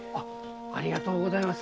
ありがとうございます。